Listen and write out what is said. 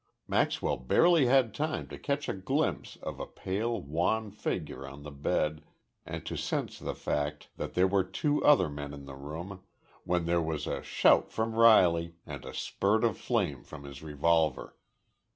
Maxwell barely had time to catch a glimpse of a pale, wan figure on the bed and to sense the fact that there were two other men in the room, when there was a shout from Riley and a spurt of flame from his revolver.